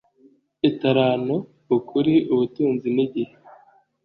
italanto, ukuri, ubutunzi n'igihe.